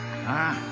ああ。